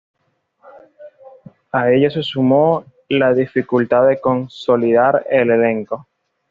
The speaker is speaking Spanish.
A ello se sumó la dificultad de consolidar al elenco.